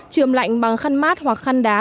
trường lạnh bằng khăn mát hoặc khăn đá